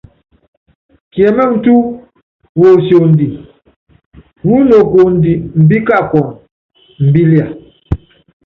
Kiɛmɛ́ɛmɛ túú, wosiondi, wúnokuondi, imbíkakunɔ, imbilia.